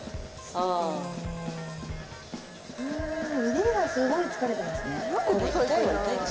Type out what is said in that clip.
腕がすごい疲れてますね。